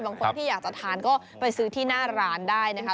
บางคนที่อยากจะทานก็ไปซื้อที่หน้าร้านได้นะคะ